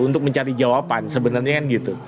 untuk mencari jawaban sebenarnya kan gitu